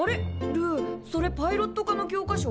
ルーそれパイロット科の教科書？